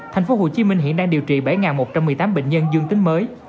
thành phố hồ chí minh hiện đang điều trị bảy một trăm một mươi tám bệnh nhân dương tính mới